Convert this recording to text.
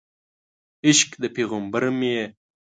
عشق د پیغمبر مې یې